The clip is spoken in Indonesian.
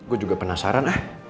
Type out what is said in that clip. gue juga penasaran ah